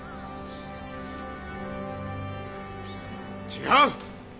違う！